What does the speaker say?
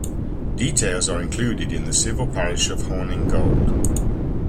Details are included in the civil parish of Horninghold.